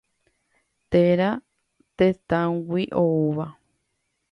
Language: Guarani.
Téra tendágui oúva.